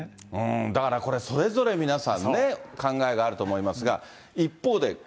だからこれ、それぞれ皆さんね、考えがあると思いますが。